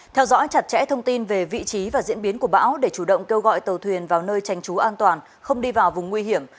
theo dõi chặt chẽ thông tin về vị trí và diễn biến của bão để chủ động kêu gọi tàu thuyền vào nơi tranh trú an toàn không đi vào vùng nguy hiểm